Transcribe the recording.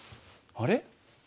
あれ？